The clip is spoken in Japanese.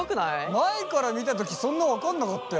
前から見た時そんな分かんなかったよ。